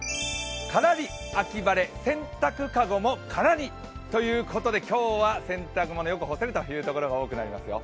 カラリ秋晴れ、洗濯カゴもカラにということで、今日は洗濯物、よく干せるという所が多くなりますよ。